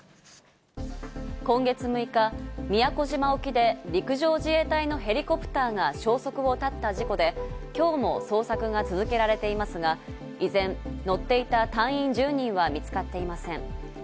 今月６日、宮古島沖で陸上自衛隊のヘリコプターが消息を絶った事故で、今日も捜索が続けられていますが、依然、乗っていた隊員１０人は見つかっていません。